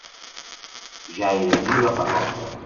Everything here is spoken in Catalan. Ja era allí la parròquia.